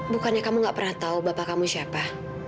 bukannya kamu gak pernah tahu bapak kamu siapa